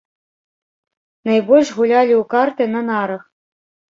Найбольш гулялі ў карты на нарах.